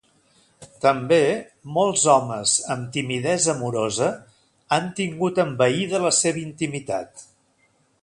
També, molts homes amb timidesa amorosa han tingut envaïda la seva intimitat.